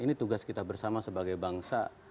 ini tugas kita bersama sebagai bangsa